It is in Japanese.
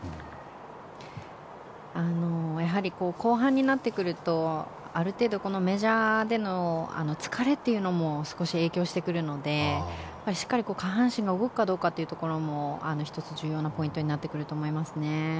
後半になってくるとある程度、メジャーでの疲れというのも少し影響してくるのでしっかり下半身が動くかというところも１つ、重要なポイントになってくると思いますね。